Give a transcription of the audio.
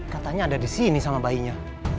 katanya ada di sini sama bayinya